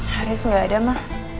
haris gak ada ma